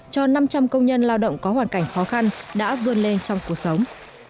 cho năm trăm linh công nhân lao động có hoàn cảnh khó khăn đã vươn lên trong cuộc sống